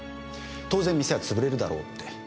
当然店は潰れるだろうって。